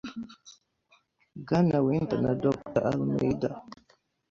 Bwana Winter na Dr Almeida